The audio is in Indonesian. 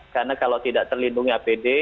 karena kalau tidak terlindungi apd